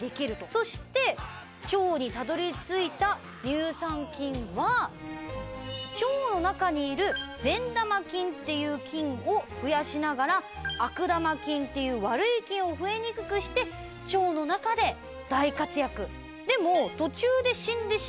そして腸にたどり着いた乳酸菌は腸の中にいる善玉菌っていう菌を増やしながら悪玉菌っていう悪い菌を増えにくくして腸の中で大活躍。